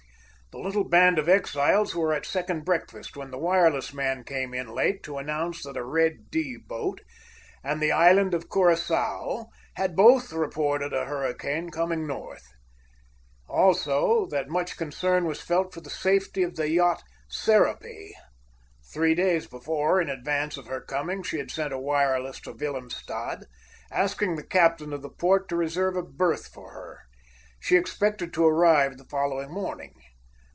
The little band of exiles were at second break fast when the wireless man came in late to announce that a Red D. boat and the island of Curaçao had both reported a hurricane coming north. Also, that much concern was felt for the safety of the yacht Serapis. Three days before, in advance of her coming, she had sent a wireless to Wilhelmstad, asking the captain of the port to reserve a berth for her. She expected to arrive the following morning.